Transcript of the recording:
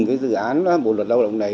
cái dự án bộ luật lao động này